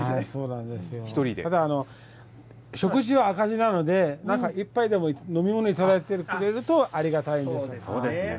食事は赤字なので、なんか、１杯でも飲み物頂いてくれると、ありがたいです。